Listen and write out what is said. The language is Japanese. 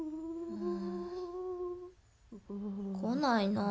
来ないなぁ。